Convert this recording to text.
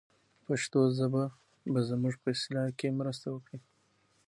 پښتو ژبه به زموږ په اصلاح کې مرسته وکړي.